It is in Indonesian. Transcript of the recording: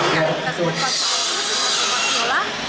kita sebutkan sebuah kola